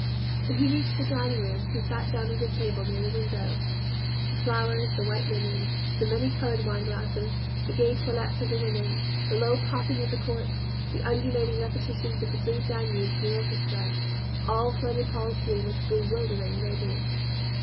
When he reached the dining room he sat down at a table near a window. The flowers, the white linen, the many colored wineglasses, the gay toilettes of the women, the low popping of corks, the undulating repetitions of the Blue Danube from the orchestra, all flooded Paul's dream with bewildering radiance.